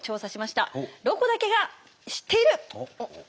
「ロコだけが知っている」。